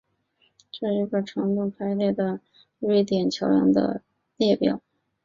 这是一份依长度排列的瑞典桥梁的列表